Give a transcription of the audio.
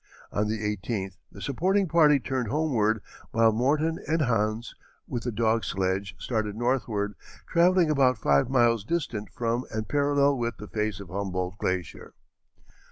On the 18th the supporting party turned homeward, while Morton and Hans, with a dog sledge, started northward, travelling about five miles distant from and parallel with the face of Humboldt glacier.